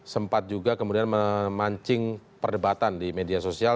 sempat juga kemudian memancing perdebatan di media sosial